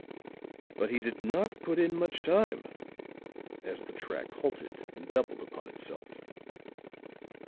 But he did not put in much time," as the track halted and doubled upon itself.